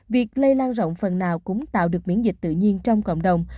việc lây lan rộng phần nào cũng tạo được miễn dịch tự nhiên trong cộng đồng